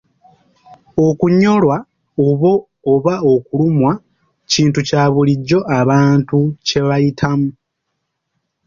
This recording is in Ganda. Okunyolwa oba okulumwa kintu kya bulijjo abantu kya bayitamu.